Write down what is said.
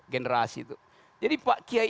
generasi itu jadi pak kiai